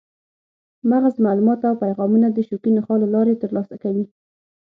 مغز معلومات او پیغامونه د شوکي نخاع له لارې ترلاسه کوي.